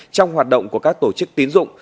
trong hoạt động của các tổ chức tín dụng